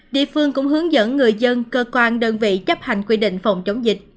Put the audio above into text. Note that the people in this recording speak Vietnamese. địa phương cũng hướng dẫn người dân cơ quan đơn vị chấp hành quy định phòng chống dịch